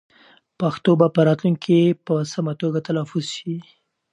پښتو به په راتلونکي کې په سمه توګه تلفظ شي.